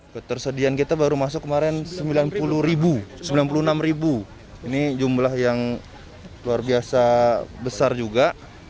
ketersediaan kita baru masuk kemarin sembilan puluh ribu sembilan puluh enam ribu ini jumlah yang luar biasa besar juga